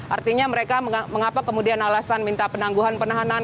artinya mereka mengapa kemudian alasan minta penangguhan penahanan